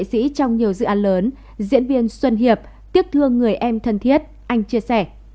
nghệ sĩ trong nhiều dự án lớn diễn viên xuân hiệp tiếp thương người em thân thiết anh chia sẻ